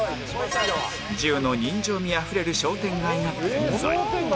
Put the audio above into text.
１０の人情味あふれる商店街が点在